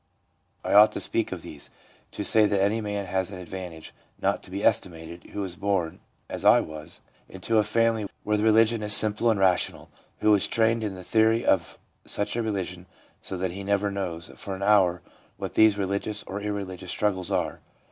I ought to speak of these, to say that any man has an advantage, not to be estimated, who is born, as I w r as, into a family where the religion is simple and rational ; who is trained in the theory of such a religion, so that he never knows, for an hour, what these religious or irreligious struggles are.